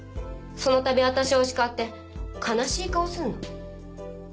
そのたび私を叱って悲しい顔すんの。